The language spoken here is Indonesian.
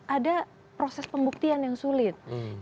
ada proses pembuktian yang sulit